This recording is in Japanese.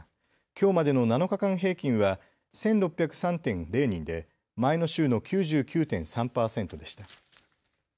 きょうまでの７日間平均は１６０３．０人で前の週の９９．３％でした。